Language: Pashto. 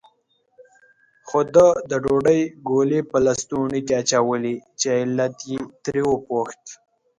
خو ده د ډوډۍ ګولې په لستوڼي کې اچولې، چې علت یې ترې وپوښت.